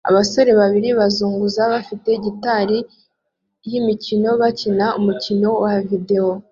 Abasore babiri b'abazungu bafite gitari yimikino bakina umukino wa videwo